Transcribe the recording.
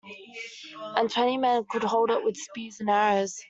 And twenty men could hold it with spears and arrows.